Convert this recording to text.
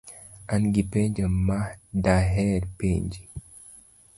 An gi penjo ma daher penji.